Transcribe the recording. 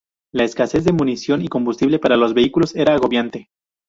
La escasez de munición y combustible para los vehículos era agobiante.